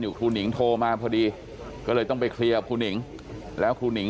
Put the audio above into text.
ครูหนิงโทรมาพอดีก็เลยต้องไปเคลียร์ครูหนิงแล้วครูหนิง